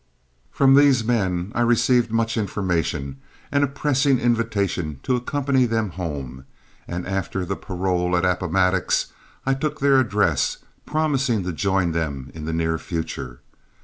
From these men I received much information and a pressing invitation to accompany them home, and after the parole at Appomattox I took their address, promising to join them in the near future.